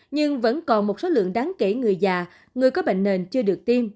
nhưng vẫn còn một số lượng đáng kể người già người có bệnh nền chưa được tiêm